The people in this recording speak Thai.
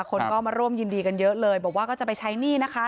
คนก็มาร่วมยินดีกันเยอะเลยบอกว่าก็จะไปใช้หนี้นะคะ